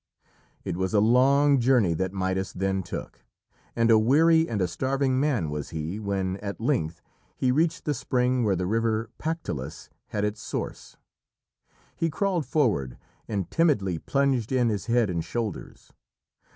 It was a long journey that Midas then took, and a weary and a starving man was he when at length he reached the spring where the river Pactolus had its source. He crawled forward, and timidly plunged in his head and shoulders.